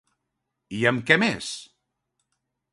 I amb què més?